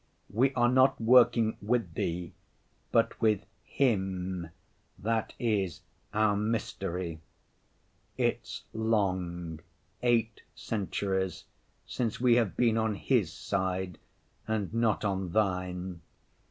We are not working with Thee, but with him—that is our mystery. It's long—eight centuries—since we have been on his side and not on Thine.